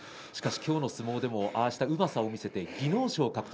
今日の相撲でもああしてうまさを見せて技能賞獲得。